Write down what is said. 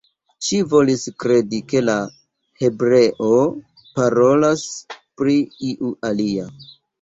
Ŝi volis kredi, ke la hebreo parolas pri iu alia.